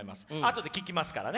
後で聞きますからね。